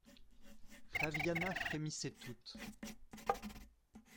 Flaviana frémissait toute.